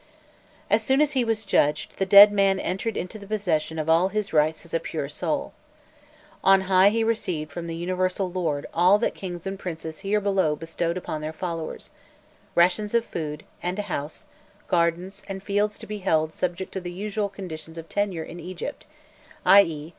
As soon as he was judged, the dead man entered into the possession of his rights as a pure soul. On high he received from the Universal Lord all that kings and princes here below bestowed upon their followers rations of food,[] and a house, gardens, and fields to be held subject to the usual conditions of tenure in Egypt, i.e.